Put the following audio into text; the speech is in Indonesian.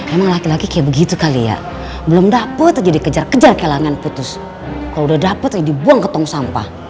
emang laki laki kayak begitu kali ya belum dapet aja dikejar kejar ke langgan putus kalau udah dapet aja dibuang ke tong sampah